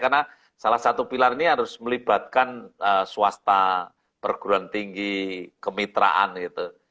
karena salah satu pilar ini harus melibatkan swasta perguruan tinggi kemitraan gitu